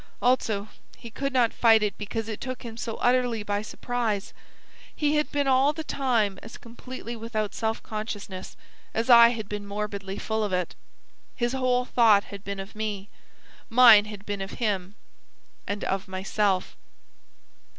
Also he could not fight it because it took him so utterly by surprise. He had been all the time as completely without self consciousness, as I had been morbidly full of it. His whole thought had been of me. Mine had been of him and of myself."